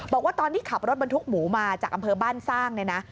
บอกว่าตอนที่ขับรถบรรทุกหมูมาจากอำเภอบ้านสร้างเนี่ยนะ